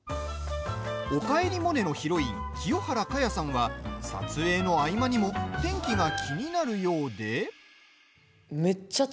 「おかえりモネ」のヒロイン・清原果耶さんは撮影の合間にも天気が気になるようで。